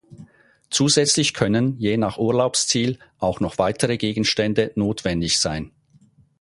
Zusätzlich können je nach Urlaubsziel auch noch weitere Gegenstände notwendig sein.